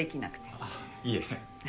あっいえ。